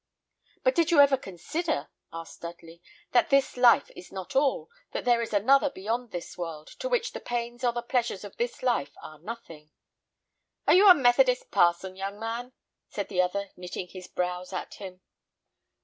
"But did you ever consider," asked Dudley, "that this life is not all; that there is another beyond this world, to which the pains or the pleasures of this life are nothing?" "Are you a methodist parson, young man?" said the other, knitting his brows at him.